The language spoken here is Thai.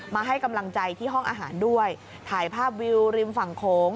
ให้กำลังใจที่ห้องอาหารด้วยถ่ายภาพวิวริมฝั่งโขง